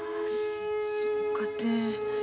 そうかて。